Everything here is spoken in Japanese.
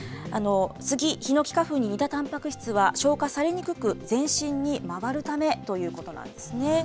スギ、ヒノキ花粉に似たたんぱく質は消化されにくく、全身に回るためということなんですね。